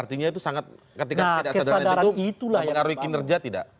artinya itu sangat ketika tidak sadar itu mempengaruhi kinerja tidak